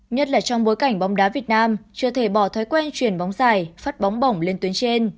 nhất là trong bối cảnh bóng đá việt nam chưa thể bỏ thói quen truyền bóng dài phát bóng bỏng lên tuyến trên